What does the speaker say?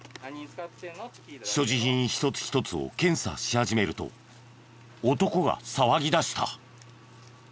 所持品一つ一つを検査し始めると男が騒ぎだした。